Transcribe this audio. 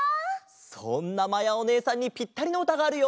そんなまやおねえさんにぴったりのうたがあるよ！